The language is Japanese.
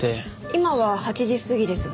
今は８時過ぎですが。